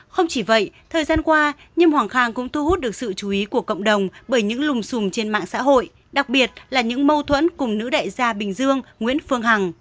không chỉ vậy thời gian qua nghiêm hoàng khang cũng thu hút được sự chú ý của cộng đồng bởi những lùng xùm trên mạng xã hội đặc biệt là những mâu thuẫn cùng nữ đại gia bình dương nguyễn phương hằng